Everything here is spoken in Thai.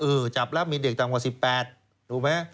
เออจับแล้วมีเดี้ยงต่างกว่า๑๘